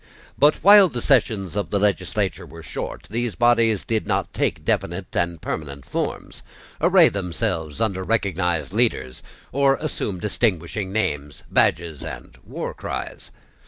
But, while the sessions of the legislature were short, these bodies did not take definite and permanent forms, array themselves under recognised leaders, or assume distinguishing names, badges, and war cries.